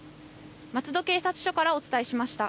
松戸警察署からお伝えしました。